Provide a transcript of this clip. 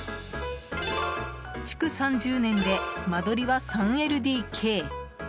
築３０年で間取りは３ＬＤＫ。